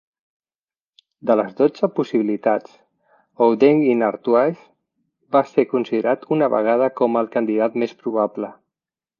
De les dotze possibilitats, Houdenc in Artois va ser considerat una vegada com el candidat més probable.